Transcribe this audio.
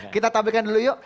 kita tabelkan dulu yuk